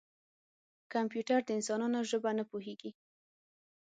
کمپیوټر د انسانانو ژبه نه پوهېږي.